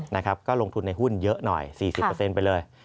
นะครับก็ลงทุนในหุ้นเยอะหน่อย๔๐เปอร์เซ็นต์ไปเลย